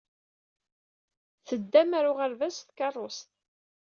Teddam ɣer uɣerbaz s tkeṛṛust.